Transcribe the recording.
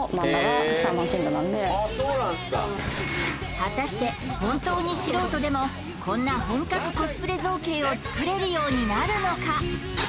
果たして本当に素人でもこんな本格コスプレ造形を作れるようになるのか？